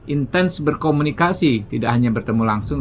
intens berkomunikasi tidak hanya bertemu langsung